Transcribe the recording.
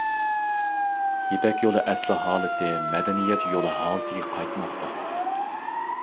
يىپەك يولى ئەسلى ھالىتى «مەدەنىيەت يولى» ھالىتىگە قايتماقتا.